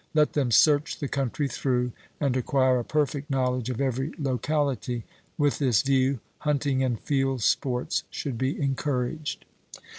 Let them search the country through, and acquire a perfect knowledge of every locality; with this view, hunting and field sports should be encouraged.